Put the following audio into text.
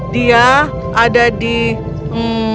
dia ada di hmmm gabrila land